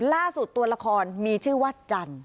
ล่าสุดตัวละครมีชื่อว่าจัน